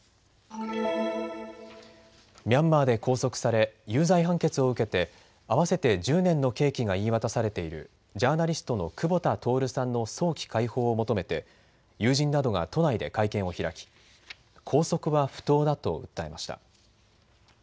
ミャンマーで拘束され有罪判決を受けて合わせて１０年の刑期が言い渡されているジャーナリストの久保田徹さんの早期解放を求めて友人などが都内で会見を開き拘束は不当だと訴えました。